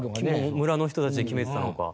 村の人たちで決めてたのか。